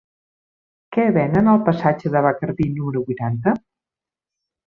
Què venen al passatge de Bacardí número vuitanta?